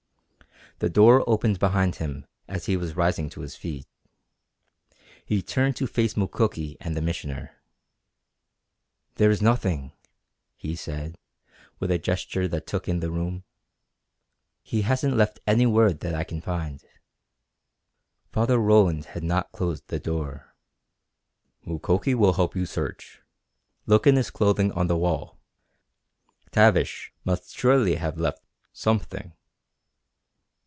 The door opened behind him as he was rising to his feet. He turned to face Mukoki and the Missioner. "There is nothing," he said, with a gesture that took in the room. "He hasn't left any word that I can find." Father Roland had not closed the door. "Mukoki will help you search. Look in his clothing on the wall. Tavish must surely have left something."